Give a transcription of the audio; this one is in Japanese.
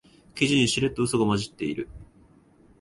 記事にしれっとウソが混じってる